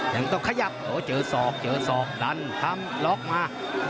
ยังต้องขยับโอ้เจอศอกเจอศอกดันทำล็อกมา